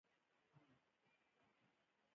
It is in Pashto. غیرت له مړانې سره مل وي